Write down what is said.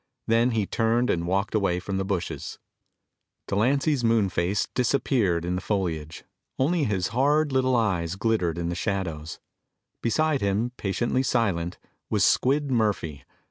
Then he turned and walked away from the bushes. Delancy's moon face disappeared in the foliage. Only his hard little eyes glittered in the shadows. Beside him, patiently silent, was Squid Murphy.